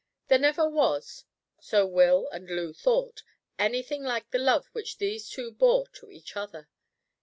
There never was, so Will and Loo thought, anything like the love which these two bore to each other.